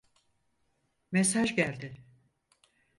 Mesaj geldi.